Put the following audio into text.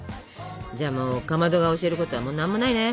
じゃあかまどが教えることはもう何もないね！